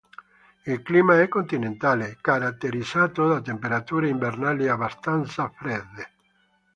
Il clima è continentale, caratterizzato da temperature invernali abbastanza fredde.